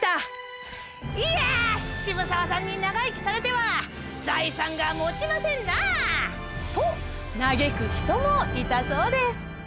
『いや渋沢さんに長生きされては財産がもちませんなあ』と嘆く人もいたそうです」。